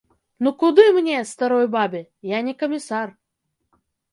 Ну, куды мне, старой бабе, я не камісар.